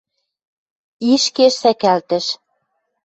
Ишкеш сӓкӓлтӹш